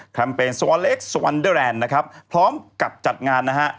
เปญสวเล็กสวอนเดอร์แลนด์นะครับพร้อมกับจัดงานนะฮะ